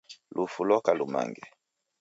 Lufu loka lumange